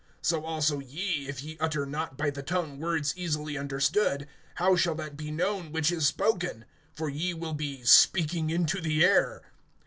(9)So also ye, if ye utter not by the tongue words easily understood, how shall that be known which is spoken? For ye will be speaking into the air.